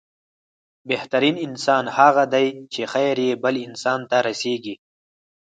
بهترين انسان هغه دی چې، خير يې بل انسان ته رسيږي.